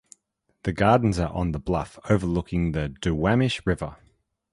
The gardens are on the bluff overlooking the Duwamish River.